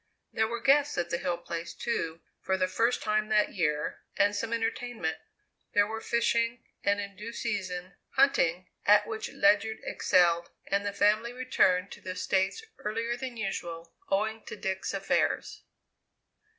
There were guests at the Hill Place, too, for the first time that year, and some entertainment. There were fishing, and in due season, hunting, at which Ledyard excelled, and the family returned to the States earlier than usual, owing to Dick's affairs.